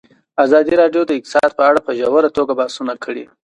ازادي راډیو د اقتصاد په اړه په ژوره توګه بحثونه کړي.